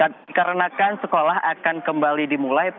dikarenakan sekolah akan kembali dimulai